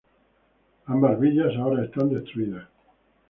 Ambas villas ahora están destruidas.